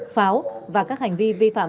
pháo và các hành vi vi phạm